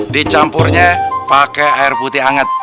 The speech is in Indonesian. dicampurnya pakai air putih hangat